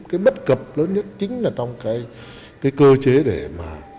cái bất cập lớn nhất chính là trong cái cơ chế để mà